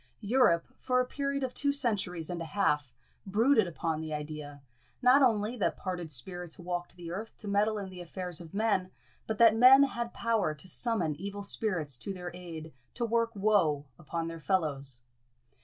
Europe, for a period of two centuries and a half, brooded upon the idea, not only that parted spirits walked the earth to meddle in the affairs of men, but that men had power to summon evil spirits to their aid to work woe upon their fellows.